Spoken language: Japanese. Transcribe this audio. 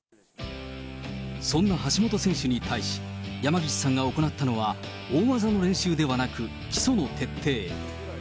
そんな橋本選手に対し、山岸さんが行ったのが、大技の練習ではなく、基礎の徹底。